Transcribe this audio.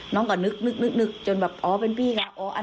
น้องก็นึกจนแบบเอาเผ็ณพี่กะ